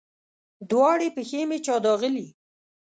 دواړې پښې مې چا داغلي